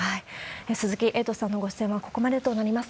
鈴木エイトさんのご出演はここまでとなります。